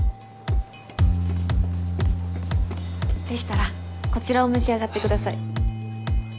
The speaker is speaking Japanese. でしたらこちらを召し上がってください。